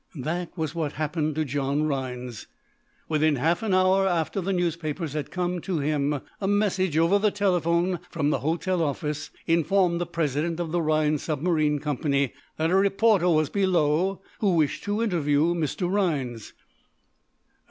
That was what happened to John Rhinds. Within half an hour after the newspapers had come to him a message over the telephone from the hotel office informed the president of the Rhinds Submarine Company that a reporter was below who wished to interview Mr. Rhinds.